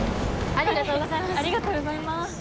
ありがとうございます。